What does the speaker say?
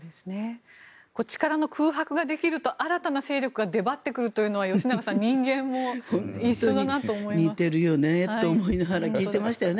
力の空白ができると新たな勢力が出張ってくるのは人間も一緒だなと思いましたね。